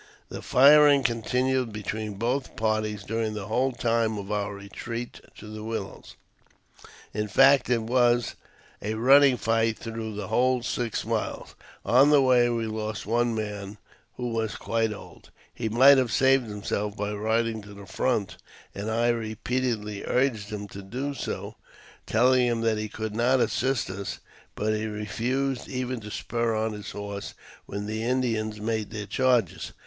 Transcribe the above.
The firing continued between both parties during the whole time of our retreat to the willows ; in fact, it was a running fight through the whole six miles. On the way we lost one man, who was quite old. He might have saved himself by riding to the front, and I repeatedly urged him to do so, telling him that he could not assist us ; but he refused even to spur on his horse when the Indians made their charges.